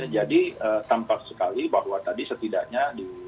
jadi tampak sekali bahwa tadi setidaknya